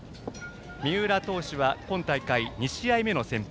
三浦投手は今大会２試合目の先発。